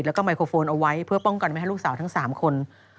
แล้วก็ไมโครโฟนเอาไว้เพื่อป้องกันไม่ให้ลูกสาวทั้ง๓คน